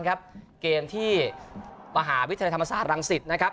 เกมที่มหาวิทยาลัยธรรมศาสตรังสิตนะครับ